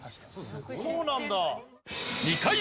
そうなんだ！